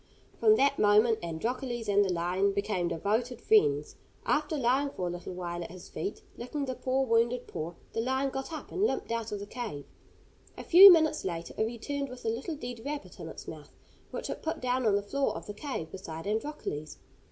From that moment Androcles and the lion became devoted friends. After lying for a little while at his feet, licking the poor wounded paw, the lion got up and limped out of the cave. A few minutes later it returned with a little dead rabbit in its mouth, which it put down on the floor of the cave beside Androcles.